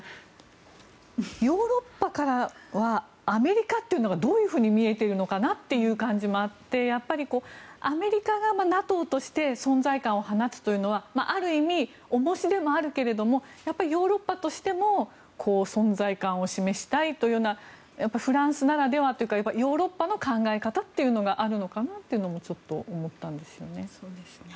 ヨーロッパからはアメリカというのがどういうふうに見えているのかなという感じがあってアメリカがＮＡＴＯとして存在感を放つというのはある意味、重しでもあるけれどヨーロッパとしても存在感を示したいというようなフランスならではというかヨーロッパの考え方というのがあるのかなというのもちょっと思ったんですよね。